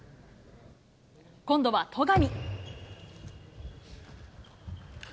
今度は戸上。